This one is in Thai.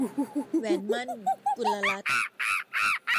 แหวนหมั้น - กุลรัตน์